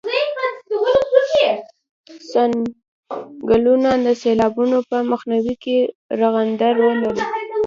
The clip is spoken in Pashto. څنګلونه د سیلابونو په مخنیوي کې رغنده رول لري